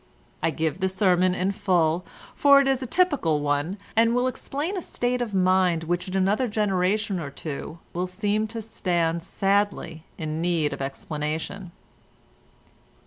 I give the sermon in full, for it is a typical one, and will explain a state of mind which in another generation or two will seem to stand sadly in need of explanation.